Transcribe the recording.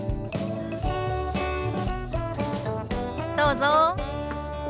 どうぞ。